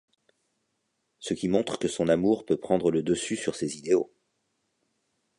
Ce qui montre que son amour peut prendre le dessus sur ses idéaux.